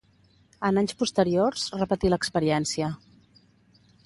En anys posteriors repetí l'experiència.